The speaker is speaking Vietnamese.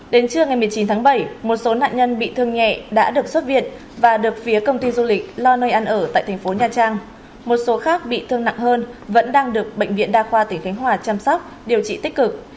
đến trưa ngày một mươi chín tháng bảy một số nạn nhân bị thương nhẹ đã được xuất viện và được phía công ty du lịch lo nơi ăn ở tại thành phố nha trang một số khác bị thương nặng hơn vẫn đang được bệnh viện đa khoa tỉnh khánh hòa chăm sóc điều trị tích cực